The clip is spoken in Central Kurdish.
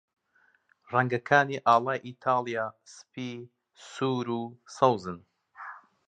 ڕەنگەکانی ئاڵای ئیتاڵیا سپی، سوور، و سەوزن.